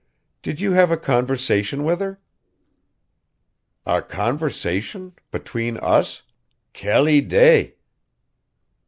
"Did you have a conversation with her?" "A conversation, between us? Quelle idée!"